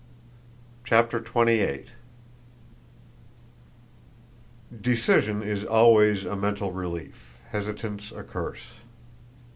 CHAPTER XXVIII Decision is always a mental relief, hesitance a curse.